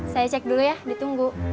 saya cek dulu ya ditunggu